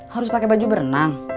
harus pakai baju berenang